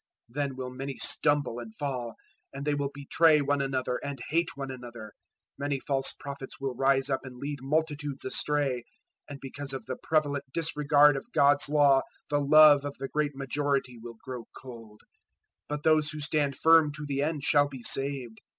024:010 Then will many stumble and fall, and they will betray one another and hate one another. 024:011 Many false prophets will rise up and lead multitudes astray; 024:012 and because of the prevalent disregard of God's law the love of the great majority will grow cold; 024:013 but those who stand firm to the End shall be saved.